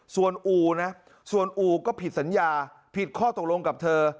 ส่วนอู่นะส่วนอู่ก็ผิดสัญญาผิดข้อตกลงกับเธอ